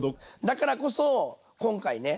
だからこそ今回ね